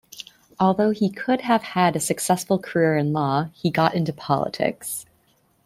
Although he could have had a successful career in law, he got into politics.